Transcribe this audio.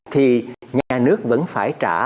thì nhà nước vẫn phải trả